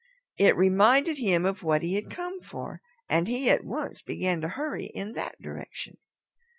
It reminded him of what he had come for, and he at once began to hurry in that direction.